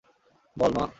বল, মা!